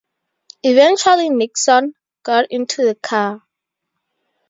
Eventually Nixon got into the car.